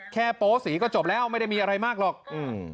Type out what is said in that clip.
โป๊สีก็จบแล้วไม่ได้มีอะไรมากหรอกอืม